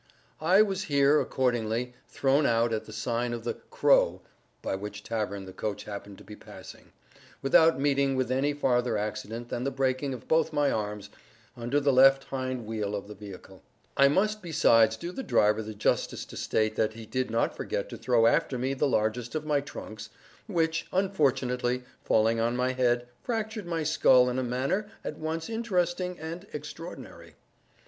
I was here, accordingly, thrown out at the sign of the "Crow" (by which tavern the coach happened to be passing), without meeting with any farther accident than the breaking of both my arms, under the left hind wheel of the vehicle. I must besides do the driver the justice to state that he did not forget to throw after me the largest of my trunks, which, unfortunately falling on my head, fractured my skull in a manner at once interesting and extraordinary.